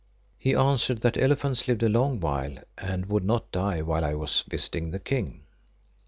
He answered that elephants lived a long while and would not die while I was visiting the King.